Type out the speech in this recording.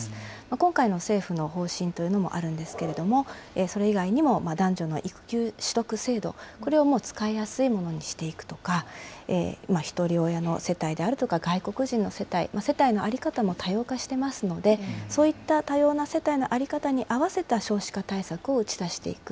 今回の政府の方針というのもあるんですけれども、それ以外にも、男女の育休取得制度、これを使いやすいものにしていくとか、ひとり親の世帯であるとか、外国人の世帯、世帯の在り方も多様化してますので、そういった多様な世帯の在り方に合わせた少子化対策を打ち出していく。